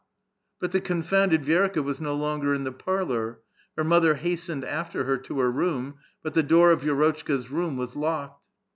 But the confounded Vi^ika was no longer in the parlor ; her mother hastened after her to her room, but the door of Vi6rotchka*s room was locked.